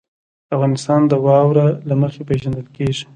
افغانستان د واوره له مخې پېژندل کېږي.